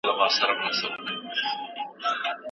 ټول بې واکه مسافر دي بې اختیاره یې سفر دی